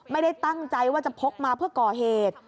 ไม่ได้ตั้งใจว่าจะพกมาเพื่อก่อเหตุ